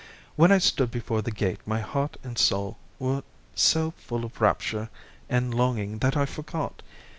When I stood before the gate my heart and my soul were so full of rapture and longing that I forgot.